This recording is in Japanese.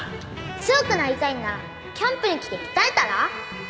強くなりたいんならキャンプに来て鍛えたら？